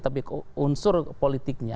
tapi unsur politiknya